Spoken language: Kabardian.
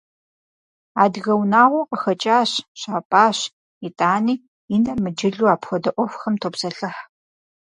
Адыгэ унагъуэ къыхэкӀащ, щапӀащ, итӀани, и нэр мыджылу апхуэдэ Ӏуэхухэм топсэлъыхь.